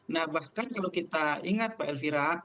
nah bahkan kalau kita ingat pak elvira